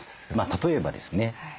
例えばですね